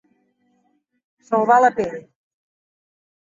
Salvar la pell.